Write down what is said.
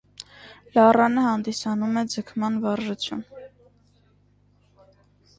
Լարանը հանդիսանում է ձգման վարժություն։